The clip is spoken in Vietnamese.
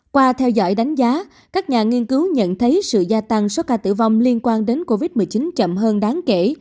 qua theo dõi đánh giá các nhà nghiên cứu nhận thấy sự gia tăng số ca tử vong liên quan đến covid một mươi chín chậm hơn đáng kể